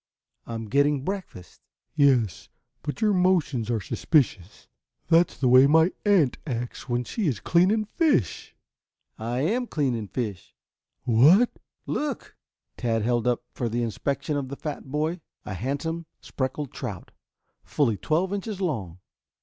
"I am getting breakfast." "Yes, but your motions are suspicious. That's the way my aunt acts when she is cleaning fish." "I am cleaning fish." "What?" "Look!" Tad held up for the inspection of the fat boy a handsome speckled trout, fully twelve inches long.